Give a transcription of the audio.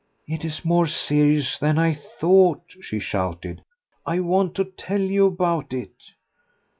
"It is more serious than I thought," she shouted. "I want to tell you about it."